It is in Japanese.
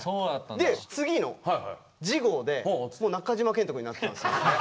で次の次号でもう中島健人くんになってたんですよ。